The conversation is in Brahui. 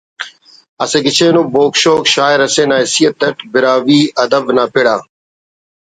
اسہ گچین ءُ بوگ شوگ شاعر اسے نا حیثیت اٹ براہوئی ادب نا پڑ آ